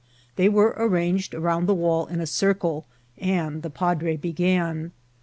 They were arranged around the wall in a circle, and the padre began.